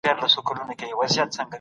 خپل کالي تل په المارۍ کي اېږدئ.